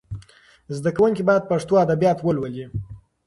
زده کونکي باید پښتو ادبیات ولولي.